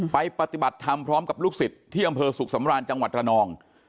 ปฏิบัติธรรมพร้อมกับลูกศิษย์ที่อำเภอสุขสำราญจังหวัดระนอง